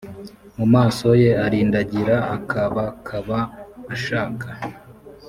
mu maso ye arindagira akabakaba ashaka